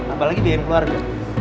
apalagi dia yang keluarga